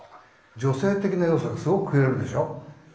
女性的な要素がすごく増えるでしょ。